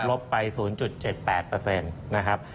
ลบไป๐๗๘นะครับ